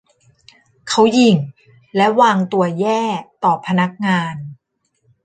เขาหยิ่งและวางตัวแย่ต่อพนักงาน